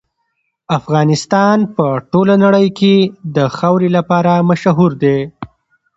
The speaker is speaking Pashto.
افغانستان په ټوله نړۍ کې د خاورې لپاره مشهور دی.